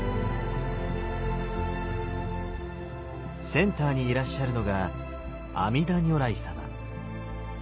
センターにいらっしゃるのが阿弥陀如来様。